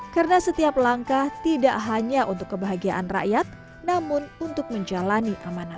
karena setiap langkah tidak hanya untuk kebahagiaan rakyat namun untuk menjalani amanah